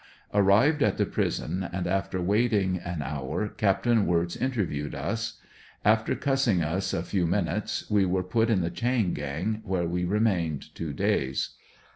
Arrived at the prison and after waiting au hour Capt. Wirtz interviewed us. After cussing us a few minutes we were put in the chain ^ang, where we remained two days.